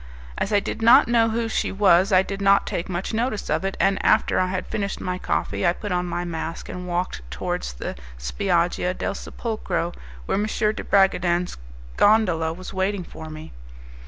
As I did not know who she was I did not take much notice of it, and after I had finished my coffee I put on my mask and walked towards the Spiaggia del Sepulcro, where M. de Bragadin's gondola was waiting for me.